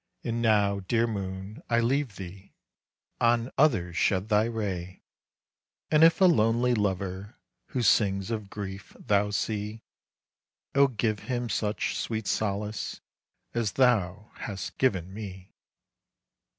And now, dear moon, I leave thee. On others shed thy ray. "And if a lonely lover Who sings of grief, thou see, Oh give him such sweet solace As thou hast given me."